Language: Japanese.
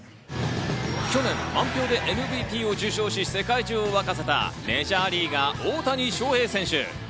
去年、満票でＭＶＰを受賞し世界中を沸かせたメジャーリーガー・大谷翔平選手。